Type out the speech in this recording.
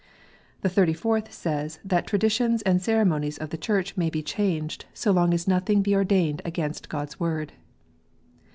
The Thirty fourth says, that traditions and ceremonies of the Church may be changed, so long as " nothing be ordained against God s Word."